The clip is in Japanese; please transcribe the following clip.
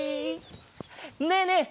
ねえねえ